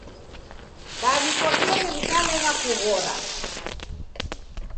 Daw'ikotere w'ikalegha kughora